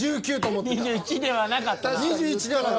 ２１ではなかったな。